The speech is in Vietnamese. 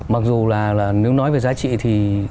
mặc dù là nếu nói về giá trị thì